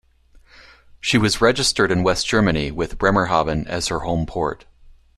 She was registered in West Germany, with Bremerhaven as her home port.